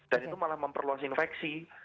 dan itu malah memperluas infeksi